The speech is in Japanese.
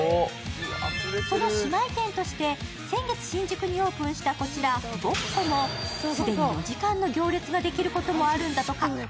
その姉妹店として先月、新宿にオープンしたこちら、ぼんこも既に４時間の行列ができることもあるんだとか。